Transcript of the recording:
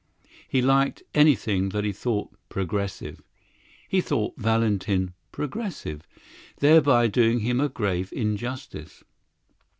He liked anything that he thought "progressive." He thought Valentin "progressive," thereby doing him a grave injustice.